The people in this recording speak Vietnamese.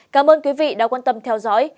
cảm ơn quý vị đã quan tâm theo dõi